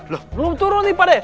belum turun nih pak de